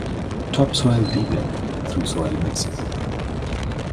Topsoil deepen through soil mixing.